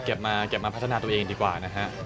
เก็บมาพัฒนาตัวเองดีกว่านะฮะ